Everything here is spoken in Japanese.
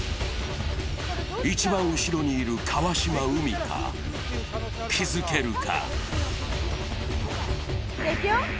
一番後ろにいる川島海荷、気づけるか？